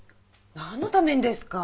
なんのためにですか？